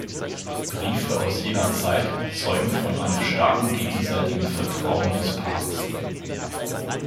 Briefe aus jener Zeit zeugen von einem starken gegenseitigen Vertrauen des Paares.